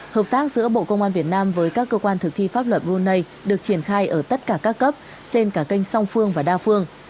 hợp tác giữa bộ công an việt nam với các cơ quan thực thi pháp luật brunei được triển khai ở tất cả các cấp trên cả kênh song phương và đa phương